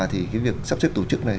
thì cái việc sắp xếp tổ chức này